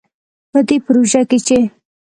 په دې پروژه کې چې